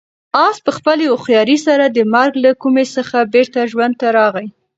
آس په خپلې هوښیارۍ سره د مرګ له کومې څخه بېرته ژوند ته راغی.